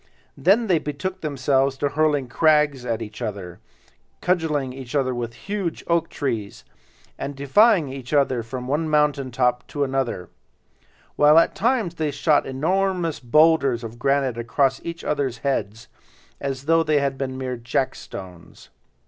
Then they betook themselves to hurling crags at each other, cudgeling with huge oak trees, and defying each other from one mountain top to another; while at times they shot enormous boulders of granite across at each other's heads, as though they had been mere jackstones.